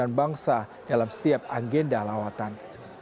dan bangsa dalam setiap agenda lawatan